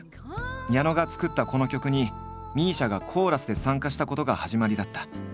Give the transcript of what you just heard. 矢野が作ったこの曲にＭＩＳＩＡがコーラスで参加したことが始まりだった。